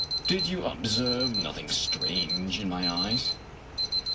Did you observe nothing strange in my eyes?"